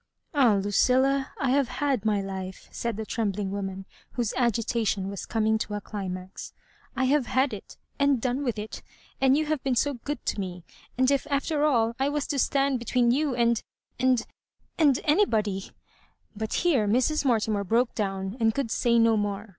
"Ah, Lucilla, I have had my life," said the trembling woman, whose agitation was coming to a climax —^" I have had it, and done with it ; and you have been so good to me; and if, after all, I was to stand between you and — and — and — anybody But here Mrs. Mortimer broke down, and could say no more.